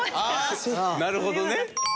なるほどね。